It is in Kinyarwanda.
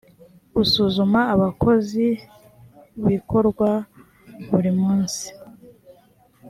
gusuzuma abakozi bikorwa burimunsi.